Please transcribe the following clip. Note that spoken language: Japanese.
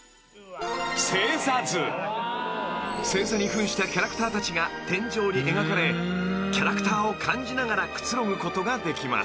［星座に扮したキャラクターたちが天井に描かれキャラクターを感じながらくつろぐことができます］